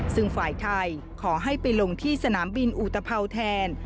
ซึ่งฝ่ายไทยขอให้ไปลงที่สนามบินอุตภัวแทน